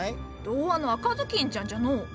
童話の赤ずきんちゃんじゃのう。